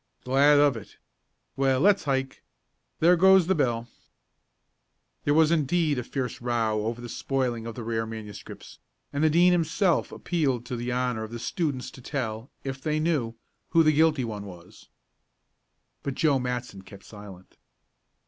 "Glad of it. Well, let's hike. There goes the bell." There was indeed a "fierce row," over the spoiling of the rare manuscripts, and the Dean himself appealed to the honor of the students to tell, if they knew, who the guilty one was. But Joe Matson kept silent.